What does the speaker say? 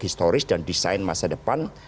historis dan desain masa depan